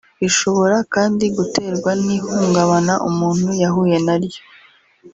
Ishobora kandi guterwa n’ihungabana umuntu yahuye na ryo